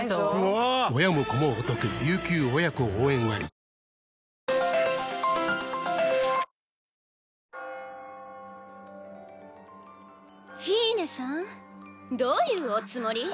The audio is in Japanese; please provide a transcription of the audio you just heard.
カーンフィーネさんどういうおつもり？